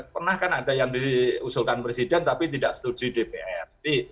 pernah kan ada yang diusulkan presiden tapi tidak setuju dpr